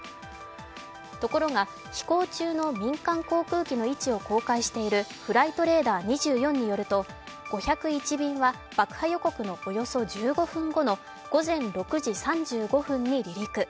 ところが、飛行中の民間航空機の位置を公開しているフライトレコーダー２４によると、５０１便は爆破予告のおよそ１５分後の午前６時３５分に離陸。